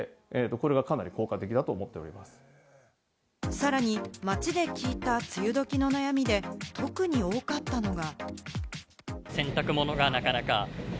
さらに街で聞いた梅雨どきの悩みで特に多かったのが。